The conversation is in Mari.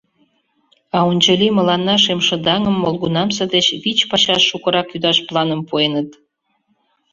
А ончылий мыланна шемшыдаҥым молгунамсе деч вич пачаш шукырак ӱдаш планым пуэныт.